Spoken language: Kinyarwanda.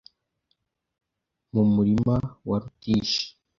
mumurima wa ruttish